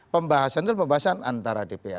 pembahasan itu pembahasan antara dpr